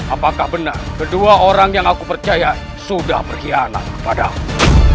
apakah benar kedua orang yang aku percaya sudah berkhianat kepadaku